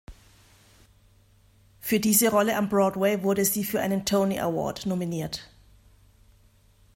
Für diese Rolle am Broadway wurde sie für einen Tony Award nominiert.